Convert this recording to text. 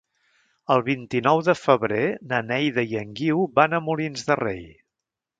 El vint-i-nou de febrer na Neida i en Guiu van a Molins de Rei.